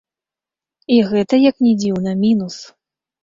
І гэта, як ні дзіўна, мінус.